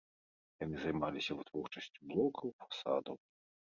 Яны займаліся вытворчасцю блокаў, фасадаў.